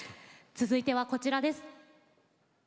続いてはこちらです。